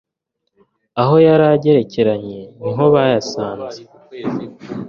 aho yari agerekeranye niho bayasanze